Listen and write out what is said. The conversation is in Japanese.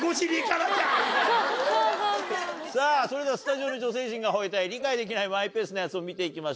さぁそれではスタジオの女性陣が吠えたい理解できないマイペースなヤツを見て行きましょう。